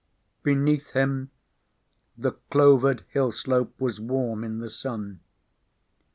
Beneath him the clovered hill slope was warm in the sun.